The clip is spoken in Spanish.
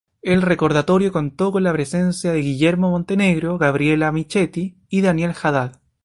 El recordatorio contó con la presencia de Guillermo Montenegro, Gabriela Michetti y Daniel Hadad.